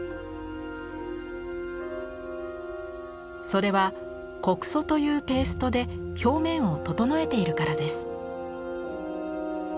それは木屎というペーストで表面を整えているからです。